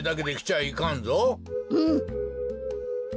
うん。